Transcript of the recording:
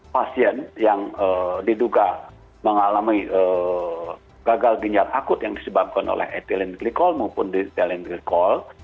pasien yang diduga mengalami gagal ginjal akut yang disebabkan oleh etilen glikol maupun ditilen glikol